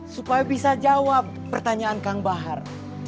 supaya bisa jawab pertanyaan kang bahar